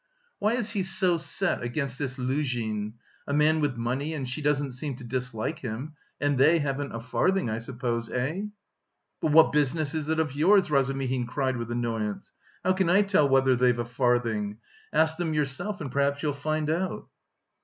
"Why is he so set against this Luzhin? A man with money and she doesn't seem to dislike him... and they haven't a farthing, I suppose? eh?" "But what business is it of yours?" Razumihin cried with annoyance. "How can I tell whether they've a farthing? Ask them yourself and perhaps you'll find out...."